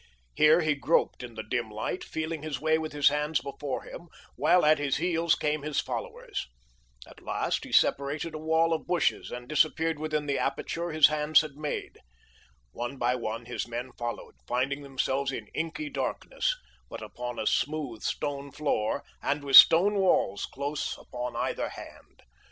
Here he groped in the dim light, feeling his way with his hands before him, while at his heels came his followers. At last he separated a wall of bushes and disappeared within the aperture his hands had made. One by one his men followed, finding themselves in inky darkness, but upon a smooth stone floor and with stone walls close upon either hand.